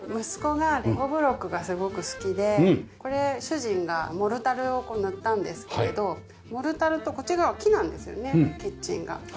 息子がレゴブロックがすごく好きでこれ主人がモルタルを塗ったんですけれどモルタルとこっち側木なんですよねキッチンが。